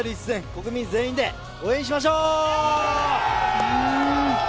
国民全員で応援しましょう！